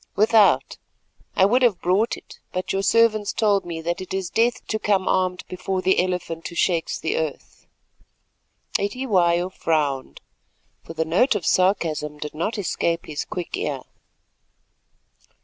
"Without. I would have brought it, but your servants told me that it is death to come armed before the 'Elephant who shakes the Earth.'" Cetywayo frowned, for the note of sarcasm did not escape his quick ear.